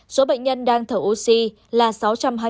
hai số bệnh nhân đang thở oxy là sáu trăm hai mươi ca